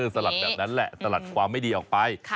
สลัดแบบนั้นแหละสลัดความไม่ดีออกไป